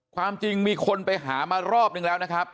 ความจริงมีคนไปหามารอบนึงแล้วนะครับ